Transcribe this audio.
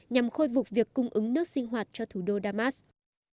nhằm khôi phục việc cung ứng nước sinh hoạt cho thủ đô damas